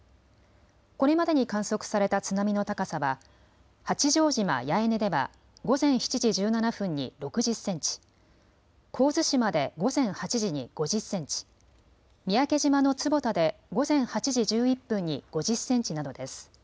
これまでに観測された津波の高さは八丈島八重根では午前７時１７分に６０センチ、神津島で午前８時に５０センチ、三宅島の坪田で午前８時１１分に５０センチなどです。